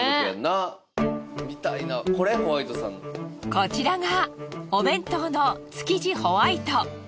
こちらがお弁当の築地ほわいと。